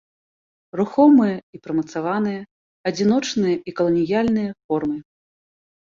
Рухомыя і прымацаваныя, адзіночныя і каланіяльныя формы.